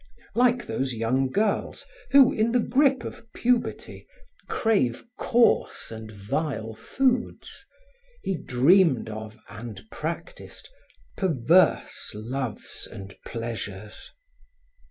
Like those young girls who, in the grip of puberty, crave coarse and vile foods, he dreamed of and practiced perverse loves and pleasures.